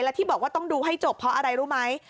และที่บอกว่าต้องดูให้จบเพราะอะไรรู้ไหม